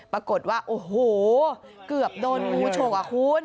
ปรากฏว่าโอ้โหเกือบโดนงูฉกอ่ะคุณ